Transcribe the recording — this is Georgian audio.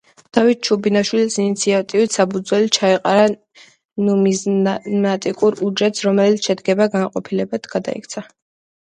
დავით ჩუბინაშვილის ინიციატივით საფუძველი ჩაეყარა ნუმიზმატიკურ უჯრედს, რომელიც შემდეგში განყოფილებად გადაიქცა.